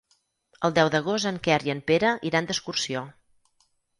El deu d'agost en Quer i en Pere iran d'excursió.